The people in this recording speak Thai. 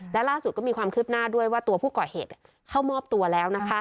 และล่าสุดก็มีความคืบหน้าด้วยว่าตัวผู้ก่อเหตุเข้ามอบตัวแล้วนะคะ